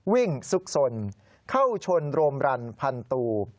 ซุกสนเข้าชนโรมรันพันตู